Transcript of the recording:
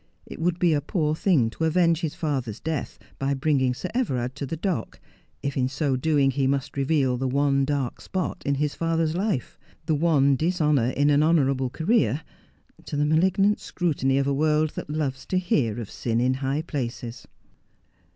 It would be a poor thing to avenge his father's death by bringing Sir Everard to the dock, if in so doing he must reveal the one dark spot in his father's life — the one dishonour in an honourable career — to the malignant scrutiny of a world that loves to hear of sin in high places.